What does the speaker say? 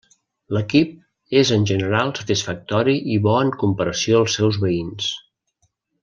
L'equip és en general satisfactori i bo en comparació als seus veïns.